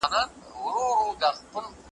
لکه سلګۍ درته راغلی یم پایل نه یمه ,